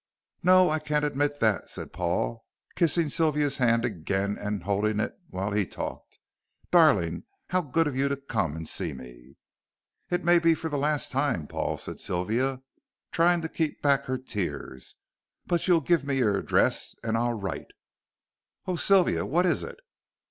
"No, I can't admit that," said Paul, kissing Sylvia's hand again and holding it while he talked. "Darling, how good of you to come and see me." "It may be for the last time, Paul," said Sylvia, trying to keep back her tears, "but you'll give me your address, and I'll write." "Oh, Sylvia, what is it?"